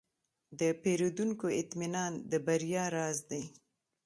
د پیرودونکو اطمینان د بریا راز دی.